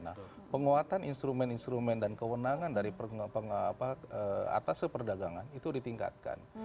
nah penguatan instrumen instrumen dan kewenangan dari atas perdagangan itu ditingkatkan